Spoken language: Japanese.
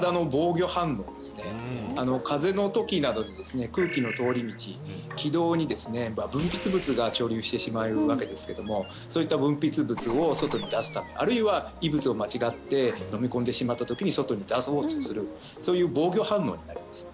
風邪の時などにですね空気の通り道気道にですね分泌物が貯留してしまうわけですけどもそういった分泌物を外に出すためあるいは異物を間違って飲み込んでしまった時に外に出そうとするそういう防御反応になります